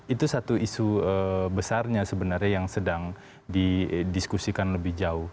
itu satu isu besarnya sebenarnya yang sedang didiskusikan lebih jauh